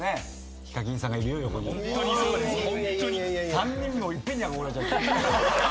３人もいっぺんに憧れちゃった。